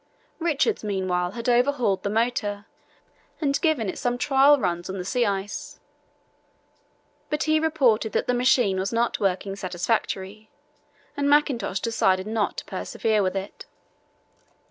Richards meanwhile had overhauled the motor and given it some trial runs on the sea ice. But he reported that the machine was not working satisfactorily, and Mackintosh decided not to persevere with it.